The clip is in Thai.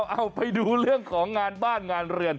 เอาไปดูเรื่องของงานบ้านงานเรือน